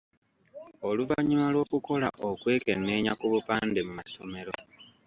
Oluvannyuma lw’okukola okwekennenya ku bupande mu masomero.